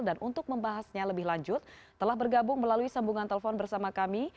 dan untuk membahasnya lebih lanjut telah bergabung melalui sambungan telepon bersama kami